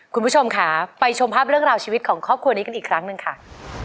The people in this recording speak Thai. คุณผู้ชมค่ะไปชมภาพเรื่องราวชีวิตของครอบครัวนี้กันอีกครั้งหนึ่งค่ะ